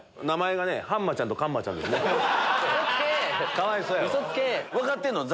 かわいそうやわ！